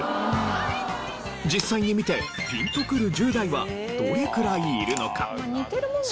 実際に見てピンとくる１０代はどれくらいいるのか？